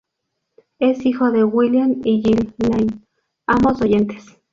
Es hijo de William y Jill Lane, ambos oyentes.